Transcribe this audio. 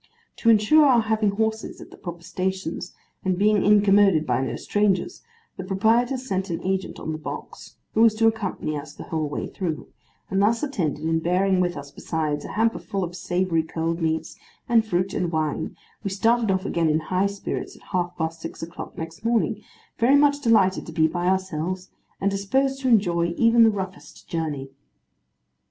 To ensure our having horses at the proper stations, and being incommoded by no strangers, the proprietors sent an agent on the box, who was to accompany us the whole way through; and thus attended, and bearing with us, besides, a hamper full of savoury cold meats, and fruit, and wine, we started off again in high spirits, at half past six o'clock next morning, very much delighted to be by ourselves, and disposed to enjoy even the roughest journey.